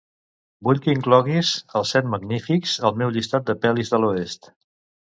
Vull que incloguis "Els set magnífics" al meu llistat de pel·lis de l'oest.